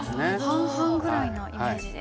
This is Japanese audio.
半々ぐらいなイメージで。